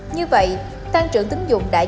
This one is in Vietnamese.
như vậy tăng trưởng tính dụng đã giảm